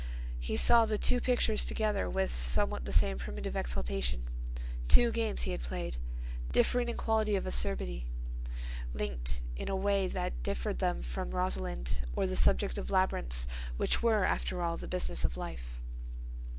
He saw the two pictures together with somewhat the same primitive exaltation—two games he had played, differing in quality of acerbity, linked in a way that differed them from Rosalind or the subject of labyrinths which were, after all, the business of life.